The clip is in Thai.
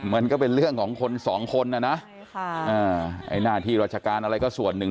มันก็เป็นเรื่องของคนสองคนน่ะนะไอ้หน้าที่ราชการอะไรก็ส่วนหนึ่ง